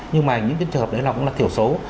nhưng mà những cái trường hợp đấy cũng là thiểu số